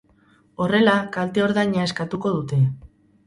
Horrela, kalte-ordaina eskatuko dute.